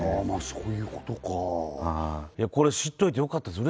そういうことかこれ知っといてよかったです